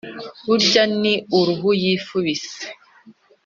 burya ni uruhu yifubise.